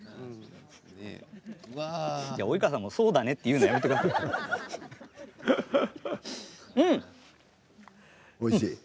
及川さんもそうだねって言うのやめてくださいよ。